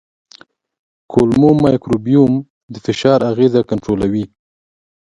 کولمو مایکروبیوم د فشار اغېزه کنټرولوي.